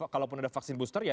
kalau pun ada vaksin booster ya